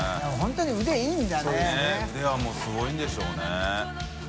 佑腕はもうすごいんでしょうね。